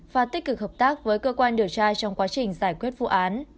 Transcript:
và tích cực hợp tác với cơ quan điều tra trong quá trình giải quyết vụ án